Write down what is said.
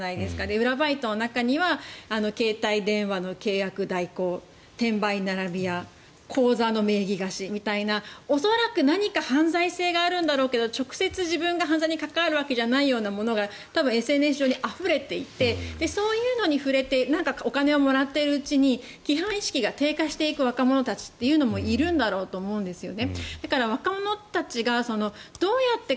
裏バイトの中には携帯電話の契約代行、転売並び屋口座の名義貸しみたいな恐らく何か犯罪性があるんだろうけど直接自分が犯罪に関わるわけじゃないようなものが多分、ＳＮＳ上にあふれていてそういうのに触れてお金をもらっているうちに規範意識が低下していく若者たちもいるんだろうと思うんですよね。